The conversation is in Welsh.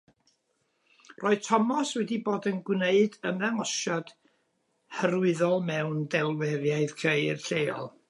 Roedd Thomas wedi bod yn gwneud ymddangosiad hyrwyddol mewn delwriaeth ceir lleol.